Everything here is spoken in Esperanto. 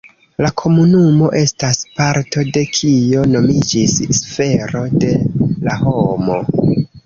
La komunumo estas parto de kio nomiĝis sfero de la homo.